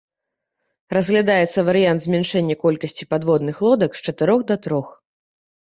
Разглядаецца варыянт змяншэння колькасці падводных лодак з чатырох да трох.